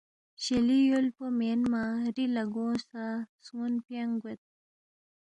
شیلی یول پو مین مہ ری لاگو گنگمہ سا سنون پیانگ گوید۔